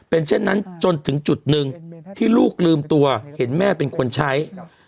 เป็นเช่นนั้นจนถึงจุดหนึ่งที่ลูกลืมตัวเห็นแม่เป็นคนใช้